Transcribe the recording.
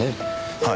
はい。